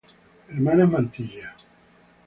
Hermanas Mantilla.